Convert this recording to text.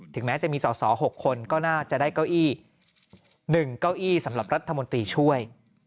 แม้จะมีสอสอ๖คนก็น่าจะได้เก้าอี้๑เก้าอี้สำหรับรัฐมนตรีช่วย